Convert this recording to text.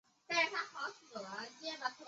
目前所有车已全部改造完毕。